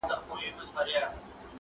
مځكه چاك سوه پكښي ورك د ده پوستين سو -